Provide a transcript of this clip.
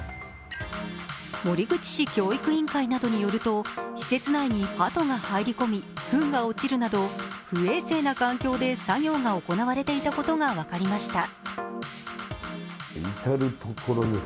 守口市教育委員会などによると、施設内にハトが入り込みふんが落ちるなど不衛生な環境で作業が行われていたことが分かりました。